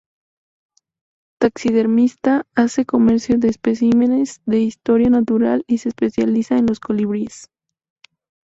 Taxidermista, hace comercio de especímenes de historia natural y se especializa en los colibríes.